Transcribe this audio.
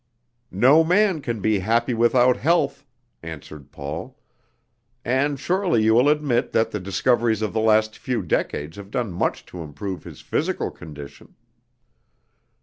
"No man can be happy without health," answered Paul, "and surely you will admit that the discoveries of the last few decades have done much to improve his physical condition."